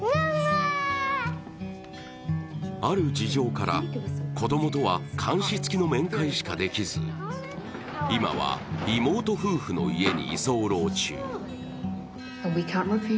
ある事情から、子供とは監視付きの面会しかできず今は妹夫婦の家に居候中。